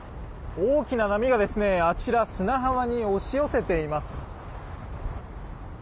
大きな波があちら砂浜に押し寄せています。